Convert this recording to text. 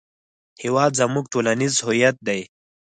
هېواد زموږ ټولنیز هویت دی